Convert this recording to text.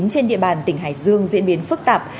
trên địa bàn tỉnh hải dương diễn biến phức tạp